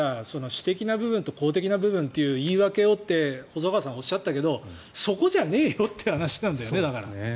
総理が私的な部分と公的な部分という言い訳をって細川さんはおっしゃったけどそこじゃねえよって話なんだよね。